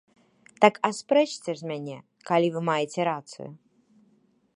Так аспрэчце ж мяне, калі вы маеце рацыю!